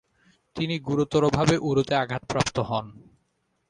তিনি গুরুতরভাবে উরুতে আঘাতপ্রাপ্ত হন।